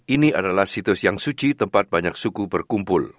ini adalah situs yang suci tempat banyak suku berkumpul